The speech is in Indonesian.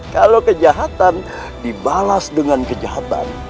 kalau kejahatan dibalas dengan kejahatan